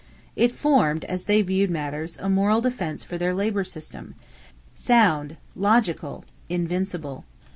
It formed, as they viewed matters, a moral defense for their labor system sound, logical, invincible.